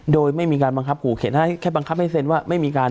โดยไม่มีการบังคับขู่เข็นให้แค่บังคับให้เซ็นว่าไม่มีการ